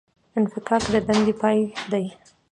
انفکاک د دندې پای دی